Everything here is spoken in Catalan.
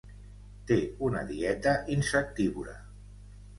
Té una dieta insectívora.